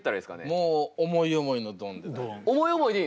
もう思い思いのドンで。